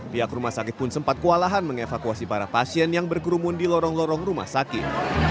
pihak rumah sakit pun sempat kewalahan mengevakuasi para pasien yang berkerumun di lorong lorong rumah sakit